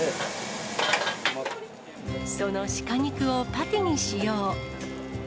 そのシカ肉をパティに使用。